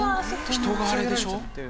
人があれでしょ？」